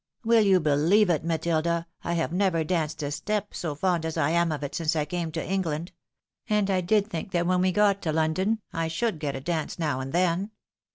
Will you beheve it, Matilda, I have never danced a step, so fond as I am of it, since I 'came to England ? and I did think when we got to London, I should get a dance now and then.